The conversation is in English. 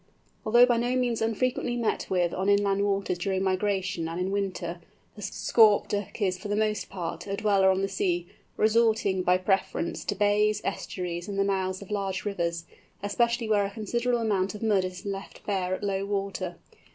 Although by no means unfrequently met with on inland waters during migration and in winter, the Scaup Duck is, for the most part, a dweller on the sea, resorting, by preference, to bays, estuaries, and the mouths of large rivers, especially where a considerable amount of mud is left bare at low water.